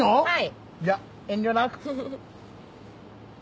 はい！